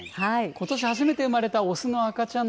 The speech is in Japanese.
ことし初めて生まれた雄の赤ちゃん